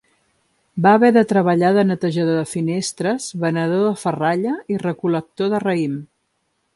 Va haver de treballar de netejador de finestres, venedor de ferralla i recol·lector de raïm.